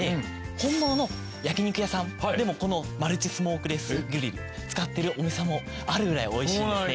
本物の焼肉屋さんでもこのマルチスモークレスグリル使ってるお店もあるぐらい美味しいんですね。